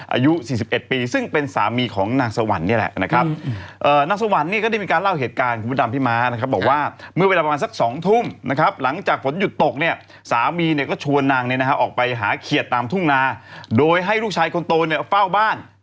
อายุ๔๑ปีซึ่งเป็นสามีของนางสวรรค์เนี่ยแหละนะครับ